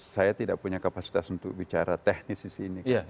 saya tidak punya kapasitas untuk bicara teknis disini